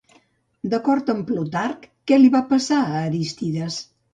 D'acord amb Plutarc, què li va passar a Aristides?